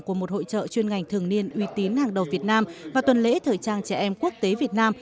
của một hội trợ chuyên ngành thường niên uy tín hàng đầu việt nam và tuần lễ thời trang trẻ em quốc tế việt nam